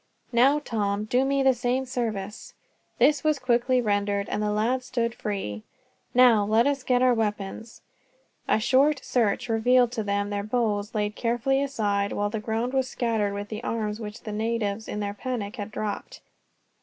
"Now, Tom, do me the same service." This was quickly rendered, and the lads stood free. "Now, let us get our weapons." A short search revealed to them their bows, laid carefully aside, while the ground was scattered with the arms which the natives, in their panic, had dropped.